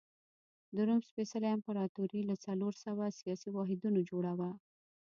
د روم سپېڅلې امپراتوري له څلور سوه سیاسي واحدونو جوړه وه.